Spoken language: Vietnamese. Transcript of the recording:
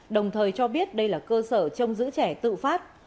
đồng thời cho biết đây là cơ sở trong giữ trẻ tự phát